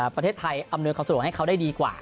ประเทศไทยอำนวยความสะดวกให้เขาได้ดีกว่า